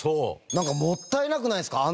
なんかもったいなくないですか？